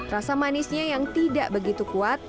rasa manisnya yang tidak begitu kuat